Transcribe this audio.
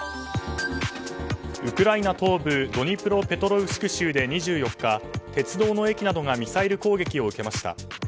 ウクライナ東部ドニプロペトロウシク州で２４日、鉄道の駅などがミサイル攻撃を受けました。